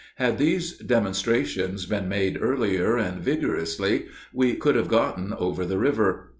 Had these demonstrations been made earlier, and vigorously, we could have gotten over the river.